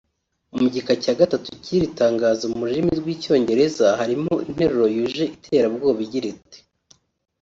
Mu gika cya gatatu cy’iri tangazo mu rurimi rw’icyongereza harimo interuro yuje iterabwoba igira iti